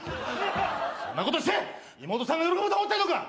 そんなことして妹さんが喜ぶと思ってんのか！